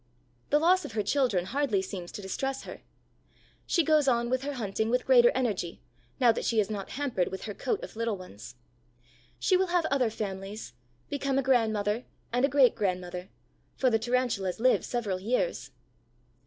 The loss of her children hardly seems to distress her. She goes on with her hunting with greater energy, now that she is not hampered with her coat of little ones. She will have other families, become a grandmother and a great grandmother, for the Tarantulas live several years.